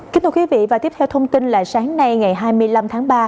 kính thưa quý vị và tiếp theo thông tin là sáng nay ngày hai mươi năm tháng ba